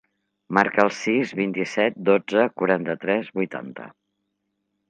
Marca el sis, vint-i-set, dotze, quaranta-tres, vuitanta.